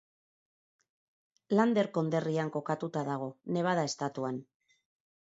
Lander konderrian kokatuta dago, Nevada estatuan.